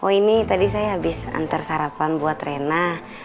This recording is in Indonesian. oh ini tadi saya habis antar sarapan buat rena